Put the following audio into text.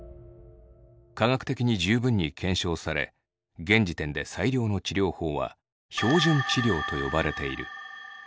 科学的に十分に検証され現時点で最良の治療法は「標準治療」と呼ばれている。